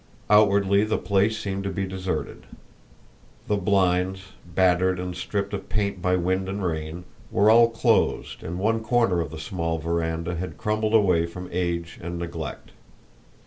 Outwardly the place seemed to be deserted. The blinds, battered and stripped of paint by wind and rain, were all closed and one corner of the small veranda had crumbled away from age and neglect.